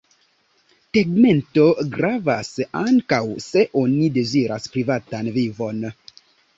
Tegmento gravas ankaŭ se oni deziras privatan vivon.